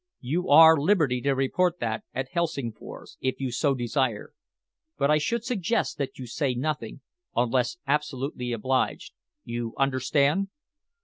You are liberty to report that at Helsingfors, if you so desire, but I should suggest that you say nothing unless absolutely obliged you understand?"